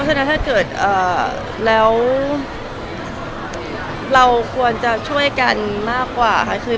ถ้าเกิดเราควรจะช่วยกันมากกว่า